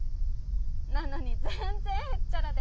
なのに全然へっちゃらで。